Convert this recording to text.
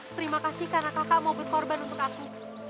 terima kasih karena kakak mau berkorban untuk aku